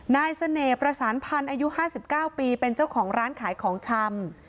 นายเสน่ห์ประสานพันธ์อายุ๕๙ปีเป็นเจ้าของร้านขายของชำ